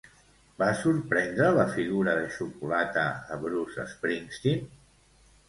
Va sorprendre la figura de xocolata a Bruce Springsteen?